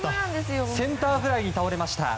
センターフライに倒れました。